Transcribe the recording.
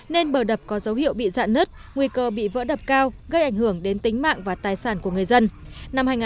nên bờ đập có dấu hiệu bị dạn nứt nguy cơ bị vỡ đập cao gây ảnh hưởng đến tính mạng và tài sản của người dân